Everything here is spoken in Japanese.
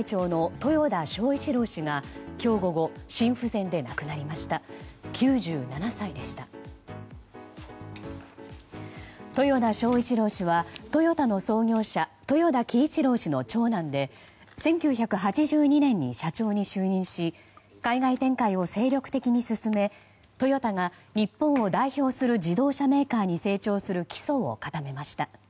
豊田章一郎氏はトヨタの創業者豊田喜一郎氏の長男で１９８２年に社長に就任し海外展開を精力的に進めトヨタが日本を代表する自動車メーカーに成長する基礎を固めました。